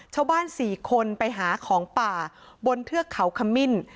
ชาวบ้าน๔คนไปหาของป่าบนเทือกเขาขมิ้น